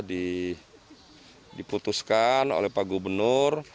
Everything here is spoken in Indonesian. sudah diputuskan oleh pak gubernur